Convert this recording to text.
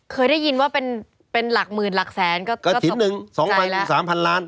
เคยได้ยินว่าเป็นหลักหมื่นหลักแสนก็ตกใจแล้วกระถิ่นหนึ่งสองพันสามพันล้าน